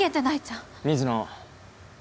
水野。